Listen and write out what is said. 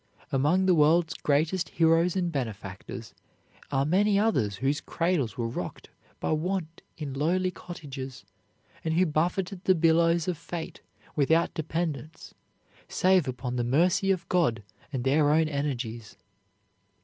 Among the world's greatest heroes and benefactors are many others whose cradles were rocked by want in lowly cottages, and who buffeted the billows of fate without dependence, save upon the mercy of God and their own energies.